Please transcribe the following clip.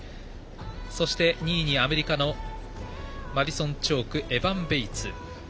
そして、２位にアメリカのマディソン・チョークエバン・ベイツ。